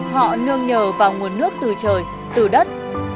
họ nương nhờ vào nguồn nước từ trời từ đất